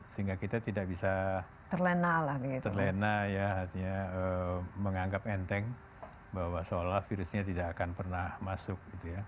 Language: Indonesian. sehingga kita tidak bisa terlena ya artinya menganggap enteng bahwa seolah virusnya tidak akan pernah masuk